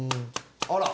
あら！